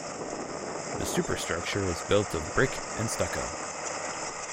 The superstructure is built of brick and stucco.